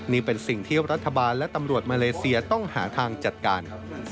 นี่เป็นสิ่งที่รัฐบาลและตำรวจมาเลเซียต้องหาทางจัดการ